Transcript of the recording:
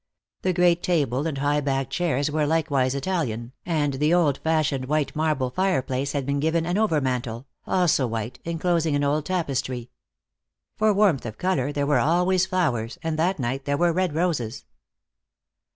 The great table and high backed chairs were likewise Italian, and the old fashioned white marble fireplace had been given an over mantel, also white, enclosing an old tapestry. For warmth of color there were always flowers, and that night there were red roses.